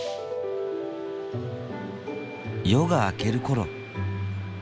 夜が明ける頃。